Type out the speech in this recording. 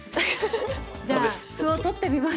じゃあ歩を取ってみます。